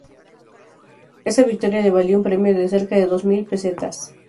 Esa victoria le valió un premio de cerca de dos mil pesetas.